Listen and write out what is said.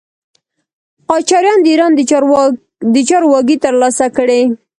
قاجاریان د ایران د چارو واګې تر لاسه کړې.